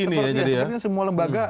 ini ya jadi ya ya sepertinya semua lembaga